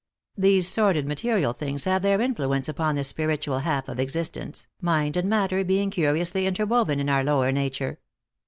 These sordid material things have their influence upon the spiritual half of existence, mind and matter being curiously interwoven in our lower nature.